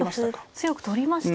強く取りましたね。